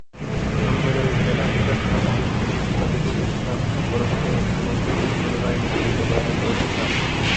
সম্মেলনে জেলা শাখার সভাপতি হিসেবে শফিকুল ইসলাম ওরফে মধুকে পুনরায় মনোনীত করেন এরশাদ।